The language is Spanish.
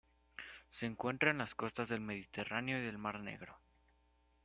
Se encuentra en las costas del Mediterráneo y del Mar Negro.